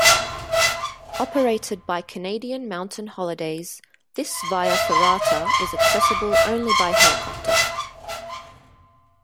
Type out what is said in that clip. Operated by Canadian Mountain Holidays, this via ferrata is accessible only by helicopter.